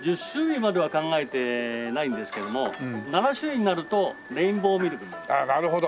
１０種類までは考えてないんですけども７種類になるとレインボーミルクになる。